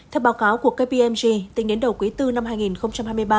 theo báo cáo của kpmg từ nhến đầu quý iv năm hai nghìn hai mươi ba